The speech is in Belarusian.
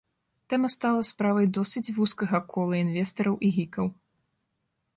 Тэма стала справай досыць вузкага кола інвестараў і гікаў.